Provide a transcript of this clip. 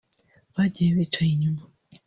bagiye bicaye inyuma